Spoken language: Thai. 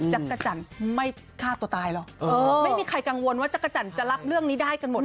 จักรจันทร์ไม่ฆ่าตัวตายหรอกไม่มีใครกังวลว่าจักรจันทร์จะรับเรื่องนี้ได้กันหมด